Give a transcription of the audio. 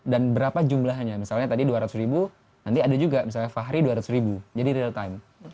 dan berapa jumlahnya misalnya tadi dua ratus ribu nanti ada juga misalnya fahri dua ratus ribu jadi real time